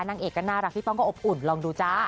นางเอกก็น่ารักพี่ป้องก็อบอุ่นลองดูจ้า